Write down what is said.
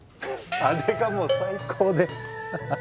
あれがもう最高でははっ。